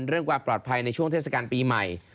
เรื่องความปลอดภัยในช่วงเทศกาลปีใหม่